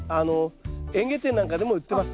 園芸店なんかでも売ってます。